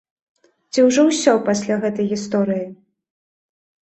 Ці ўжо ўсё, пасля гэтай гісторыі?